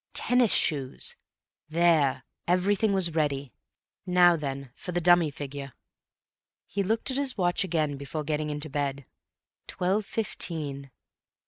Tennis shoes.... There. Everything was ready. Now then for the dummy figure. He looked at his watch again before getting into bed. Twelve fifteen.